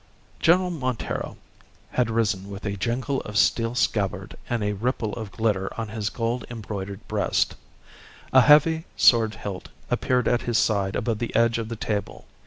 General Montero had risen with a jingle of steel scabbard and a ripple of glitter on his gold embroidered breast; a heavy sword hilt appeared at his side above the edge of the table.